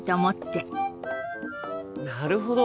なるほど！